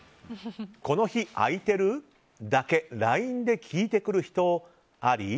「この日空いてる？」だけＬＩＮＥで聞いてくる人あり？